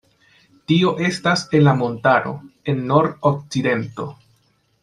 Tio estas en la montaro, en nord-okcidento.